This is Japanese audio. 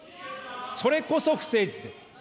それこそ不誠実です。